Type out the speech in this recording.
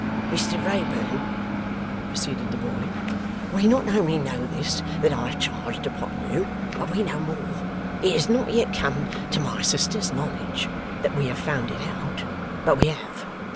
'Mr Wrayburn,' proceeded the boy, 'we not only know this that I have charged upon you, but we know more. It has not yet come to my sister's knowledge that we have found it out, but we have.